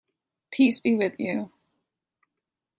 Peace be with you!